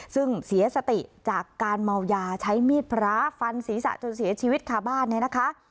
ซึ่งเสียสติจากการเมายาใช้มีดพระฟันศีรษะจนเสียชีวิตคาบ้านเนี่ยนะคะ